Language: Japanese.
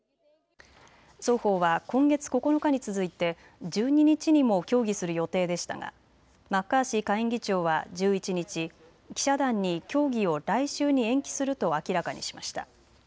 双方は今月９日に続いて１２日にも協議する予定でしたがマッカーシー下院議長は１１日、記者団に協議を来週に延期すると明らかにしました。